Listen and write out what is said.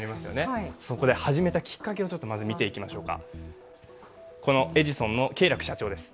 そこで始めたきっかけをまず見ていきましょうか。